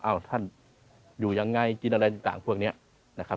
ท่านอยู่ยังไงกินอะไรต่างพวกนี้นะครับ